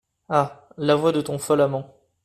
Ah ! la voix de ton fol amant !